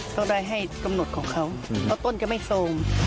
ก็ได้ให้กำหนดของเขาเพราะต้นจะไม่โซม